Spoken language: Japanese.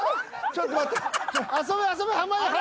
ちょっと待って。